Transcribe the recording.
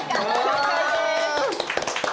正解です！